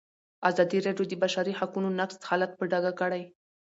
ازادي راډیو د د بشري حقونو نقض حالت په ډاګه کړی.